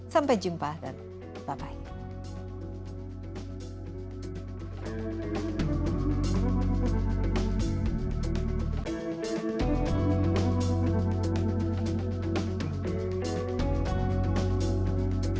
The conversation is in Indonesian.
sampai jumpa dan bye bye